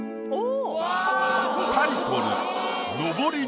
タイトル。